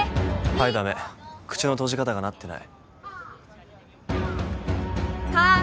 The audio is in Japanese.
はいダメ口の閉じ方がなってないかけ